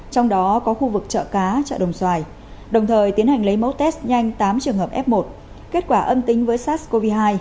trong đó có khu vực chợ cá chợ đồng xoài đồng thời tiến hành lấy mẫu test nhanh tám trường hợp f một kết quả âm tính với sars cov hai